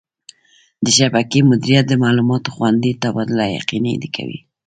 د شبکې مدیریت د معلوماتو خوندي تبادله یقیني کوي.